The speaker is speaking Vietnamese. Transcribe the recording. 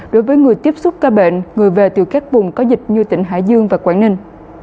đối với người tiếp xúc ca bệnh người về từ các vùng có dịch như tỉnh hải dương và quảng ninh